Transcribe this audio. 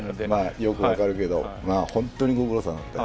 よく分かるけど本当に御苦労さん。